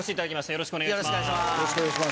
よろしくお願いします。